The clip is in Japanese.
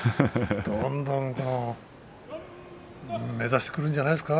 どんどん目指してくるんじゃ